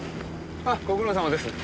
あっご苦労さまです。